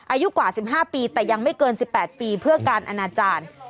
อายุกว่า๑๕ปีแต่ยังไม่เกิน๑๘ปีเพื่อการอนาจารย์